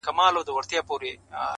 زه د بل له ښاره روانـېـږمـه.